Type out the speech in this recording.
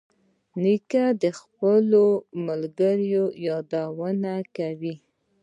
نیکه د خپلو ملګرو یادونه کوي.